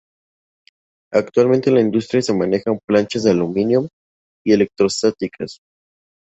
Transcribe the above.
Actualmente en la industria se manejan planchas de aluminio y electrostáticas.